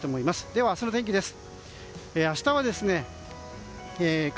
では、明日の天気です。